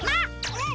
うん？